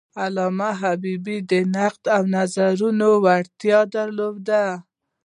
علامه حبیبي د نقد او نظریې وړتیا درلوده.